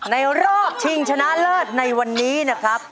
รอบชิงชนะเลิศในวันนี้นะครับ